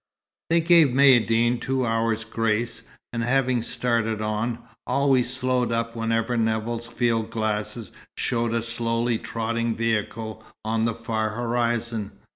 They gave Maïeddine two hours' grace, and having started on, always slowed up whenever Nevill's field glasses showed a slowly trotting vehicle on the far horizon.